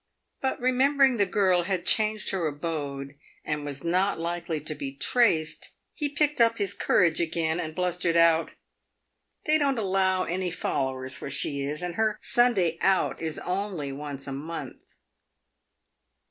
But, remembering the girl had changed her abode, and was not likely to be traced, he picked up his courage again, and blustered out, " They don't allow any followers where she is, and her Sunday out is only once a month."